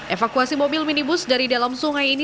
evakuasi mobil minibus dari dalam sungai ini